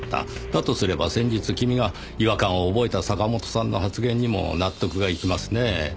だとすれば先日君が違和感を覚えた坂本さんの発言にも納得がいきますねぇ。